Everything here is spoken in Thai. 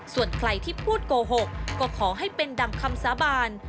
ส่วนใครที่พูดโกหกก็ขอให้เป็นดังคำสาบาน